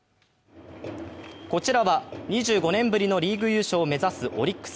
こちらは２５年ぶりのリーグ優勝を目指すオリックス。